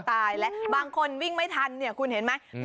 ตายแล้วบางคนวิ่งไม่ทันเนี่ยคุณเห็นไหม